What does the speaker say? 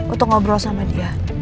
untuk ngobrol sama dia